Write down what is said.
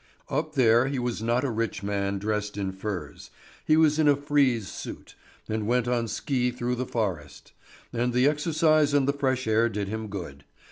Up there he was not a rich man dressed in furs. He was in a frieze suit, and went on ski through the forest; and the exercise and the fresh air did him good.